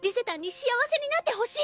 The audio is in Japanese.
幸せになってほしい。